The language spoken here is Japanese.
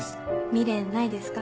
未練ないですか？